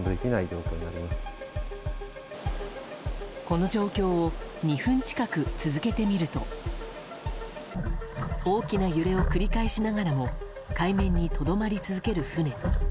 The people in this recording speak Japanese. この状況を２分近く続けてみると大きな揺れを繰り返しながらも海面にとどまり続ける船。